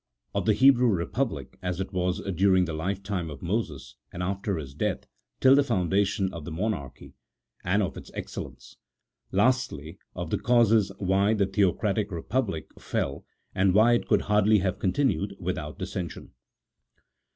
OF THE HEBREW REPUBLIC, AS IT WAS DURING THE LIFETIME OF MOSES, AND AFTER HIS DEATH, TILL THE FOUNDATION OF THE MONARCHY ; AND OF ITS EXCELLENCE. LASTLY, OF THE CAUSES WHY THE THEOCRATIC REPUBLIC FELL, AND WHY IT COULD HARDLY HAVE CONTINUED WITHOUT DISSENSION.